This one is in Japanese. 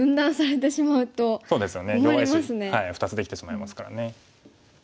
弱い石２つできてしまいますからね。